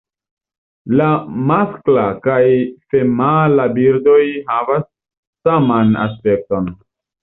La maskla kaj femala birdoj havas saman aspekton.